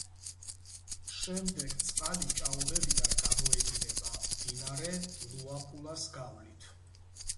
შემდეგ წყალი ჭაობებიდან გამოედინება მდინარე ლუაპულას გავლით.